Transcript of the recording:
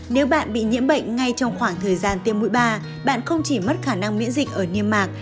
nếu bạn bị nhiễm bệnh ngay trong khoảng thời gian tiêm mũi ba bạn không chỉ mất khả năng miễn dịch ở niêm mạc